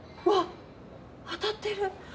わっ当たってる！